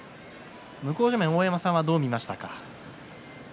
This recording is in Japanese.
向正面の大山さんはどう見ましたか？